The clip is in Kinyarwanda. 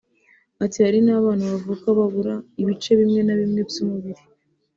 Ati “Hari n’abana bavuka babura ibice bimwe na bimwe by’umubiri